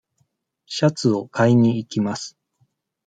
シャツを買いにいきます。